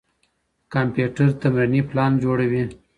کمپيوټر تمريني پلان جوړوي.